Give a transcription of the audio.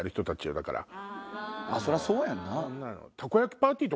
そりゃそうやんな。